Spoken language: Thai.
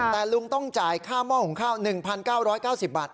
แต่ลุงต้องจ่ายค่าหม้อหุงข้าว๑๙๙๐บาท